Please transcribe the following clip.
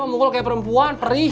dia ngomong kayak perempuan perih